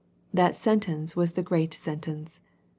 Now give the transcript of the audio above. " That sentence was the great sen tence.